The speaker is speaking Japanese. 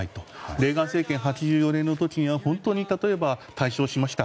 レーガン政権、８４年の時には大勝しました。